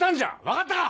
分かったか！